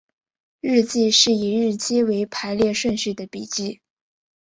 日记是以日期为排列顺序的笔记。